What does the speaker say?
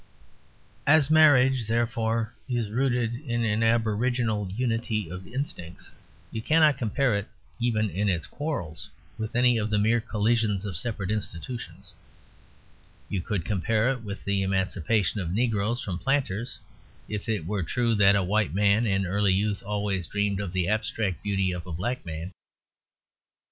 As marriage, therefore, is rooted in an aboriginal unity of instincts, you cannot compare it, even in its quarrels, with any of the mere collisions of separate institutions. You could compare it with the emancipation of negroes from planters if it were true that a white man in early youth always dreamed of the abstract beauty of a black man.